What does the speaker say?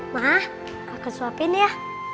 ma aku suapin ya